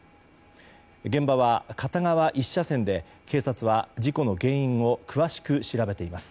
現場は片側１車線で警察は事故の原因を詳しく調べています。